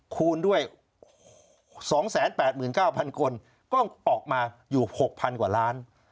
คูณด้วยสองแสนแปดหมื่นเก้าพันคนก็ออกมาอยู่หกพันกว่าร้าน